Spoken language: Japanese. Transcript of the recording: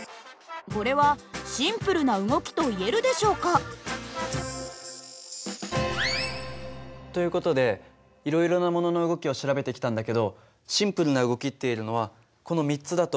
これはシンプルな動きといえるでしょうか？という事でいろいろなものの動きを調べてきたんだけどシンプルな動きっていえるのはこの３つだと思うんだよね。